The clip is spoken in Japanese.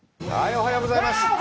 おはようございます。